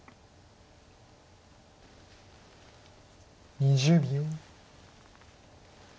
２０秒。